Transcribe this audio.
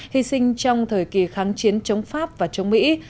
hy sinh trong thời kỳ kháng chiến chống pháp và chống mỹ